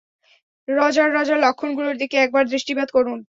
Roger, Roger, লক্ষণগুলোর দিকে একবার দৃষ্টিপাত করুন!